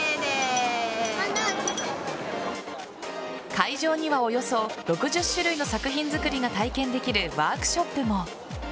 会場にはおよそ６０種類の作品作りが体験できるワークショップも。